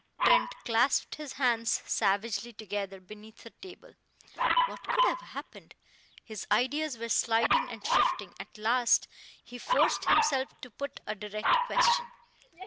Trent clasped his hands savagely together beneath the table. What could have happened? His ideas were sliding and shifting. At last he forced himself to put a direct question.